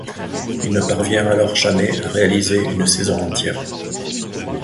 Il ne parvient alors jamais à réaliser une saison entière.